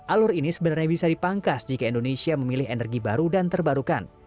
alur ini sebenarnya bisa dipangkas jika indonesia memilih energi baru dan terbarukan